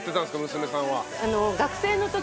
娘さんは。